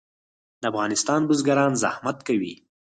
د افغانستان بزګران زحمت کوي